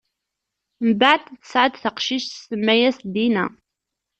Mbeɛd, tesɛa-d taqcict, tsemma-yas Dina.